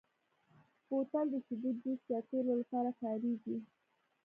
بوتل د شیدو، جوس، یا تېلو لپاره کارېږي.